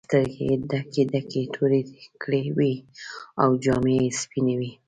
سترګې یې ډکې ډکې تورې کړې وې او جامې یې سپینې وې.